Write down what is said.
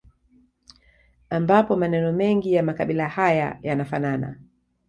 Ambapo maneno mengi ya makabila haya yanafanana